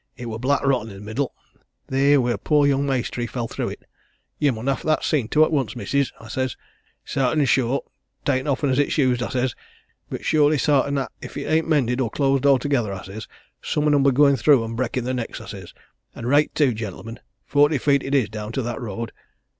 it were black rotten i' the middle, theer where poor young maister he fell through it. 'Ye mun hev' that seen to at once, missis,' I says. 'Sartin sure, 'tain't often as it's used,' I says, 'but surely sartin 'at if it ain't mended, or closed altogether,' I says, 'summun 'll be going through and brekkin' their necks,' I says. An' reight, too, gentlemen forty feet it is down to that road.